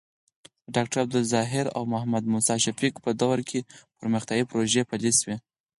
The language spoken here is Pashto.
د ډاکټر عبدالظاهر او محمد موسي شفیق په دورو کې پرمختیايي پروژې پلې شوې.